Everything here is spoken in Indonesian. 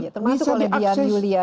termasuk oleh dian yulia